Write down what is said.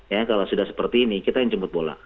ya kalau sudah seperti ini kita yang jemput bola